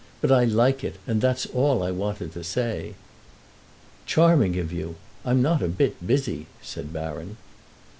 But I like it, and that's all I wanted to say." "Charming of you. I'm not a bit busy," said Baron.